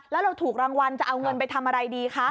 แล้วเราถูกรางวัลจะเอาเงินไปทำอะไรดีคะ